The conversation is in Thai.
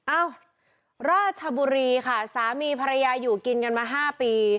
เอ้าราชบุรีค่ะสามีภรรยาอยู่กินกันมา๕ปี